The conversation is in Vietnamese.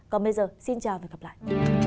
còn bây giờ xin chào và hẹn gặp lại